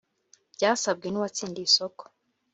byasabwe n uwatsindiye isoko